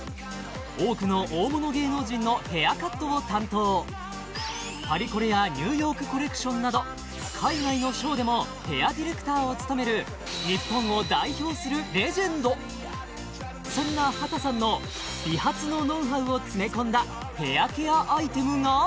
多くの大物芸能人のヘアカットを担当パリコレやニューヨークコレクションなど海外のショーでもヘアディレクターを務める日本を代表するレジェンドそんな波多さんの美髪のノウハウを詰め込んだヘアケアアイテムが？